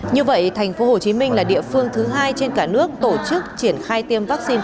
như vậy thành phố hồ chí minh là địa phương thứ hai trên cả nước tổ chức triển khai tiêm vaccine